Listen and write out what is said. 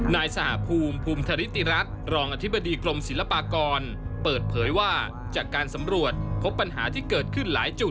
นายสหภูมิภูมิธริติรัฐรองอธิบดีกรมศิลปากรเปิดเผยว่าจากการสำรวจพบปัญหาที่เกิดขึ้นหลายจุด